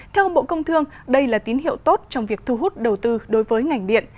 theo bộ công thương đây là tín hiệu tốt trong việc thu hút đầu tư đối với ngành điện